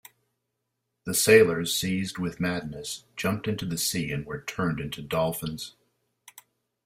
The sailors, seized with madness, jumped into the sea and were turned into dolphins.